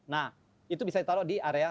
nah itu bisa ditaruh di area